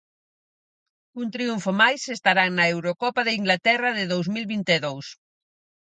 Cun triunfo máis estarán na Eurocopa de Inglaterra de dous mil vinte e dous.